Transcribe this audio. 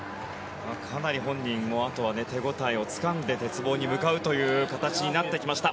かなり本人もあとは手応えをつかんで鉄棒に向かうという形になってきました。